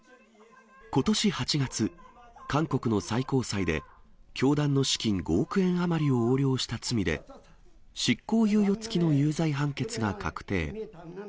ことし８月、韓国の最高裁で教団の資金５億円余りを横領した罪で、執行猶予付きの有罪判決が確定。